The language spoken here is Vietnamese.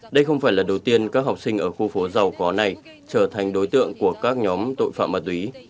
đây không phải lần đầu tiên các học sinh ở khu phố giàu có này trở thành đối tượng của các nhóm tội phạm ma túy